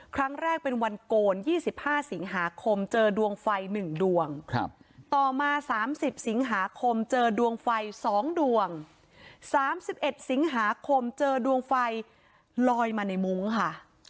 ครั้งแรกเป็นวันโกนยี่สิบห้าสิงหาคมเจอดวงไฟหนึ่งดวงครับต่อมาสามสิบสิงหาคมเจอดวงไฟสองดวงสามสิบเอ็ดสิงหาคมเจอดวงไฟลอยมาในมุ้งค่ะ